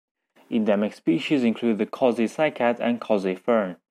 Endemic species include the Kosi cycad and Kosi fern.